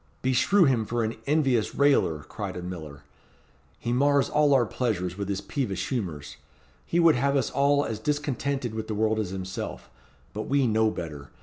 "Beshrew him for an envious railer," cried a miller, "he mars all our pleasures with his peevish humours. He would have us all as discontented with the world as himself but we know better.